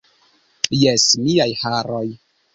Jes, miaj haroj.